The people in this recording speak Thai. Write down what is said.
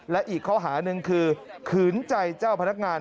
และอีกข้อหาหนึ่งคือขืนใจเจ้าพนักงาน